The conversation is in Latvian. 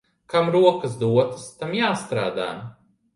Kam rokas dotas, tam jāstrādā.